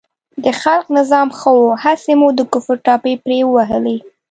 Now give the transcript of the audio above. د خلق نظام ښه و، هسې مو د کفر ټاپې پرې ووهلې.